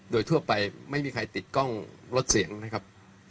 โดยทั่วไปไม่มีใครติดกล้องลดเสียงนะครับ